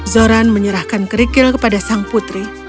zoran menyerahkan kerikil kepada sang putri